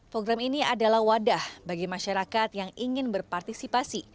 program ini adalah wadah bagi masyarakat yang ingin berpartisipasi